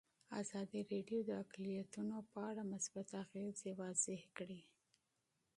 ازادي راډیو د اقلیتونه په اړه مثبت اغېزې تشریح کړي.